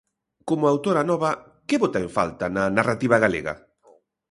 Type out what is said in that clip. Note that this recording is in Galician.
Como autora nova, que bota en falta na narrativa galega?